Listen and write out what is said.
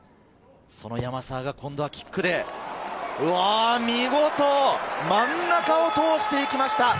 その山沢が今度はキックで、見事、真ん中を通していきました！